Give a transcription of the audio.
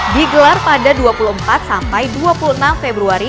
digelar pada dua puluh empat sampai dua puluh enam februari dua ribu dua puluh